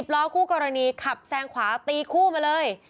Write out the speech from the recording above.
ล้อคู่กรณีขับแซงขวาตีคู่มาเลย